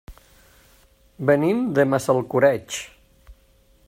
Venim de Massalcoreig.